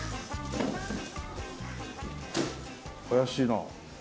怪しいな。